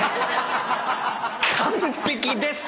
完璧です！